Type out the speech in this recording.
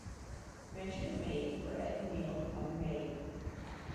Mention is made of the bread and meal that come in May.